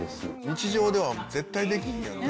日常では絶対できひんやんな。